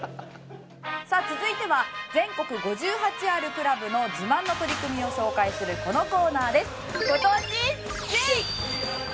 さあ続いては全国５８あるクラブの自慢の取り組みを紹介するこのコーナーです。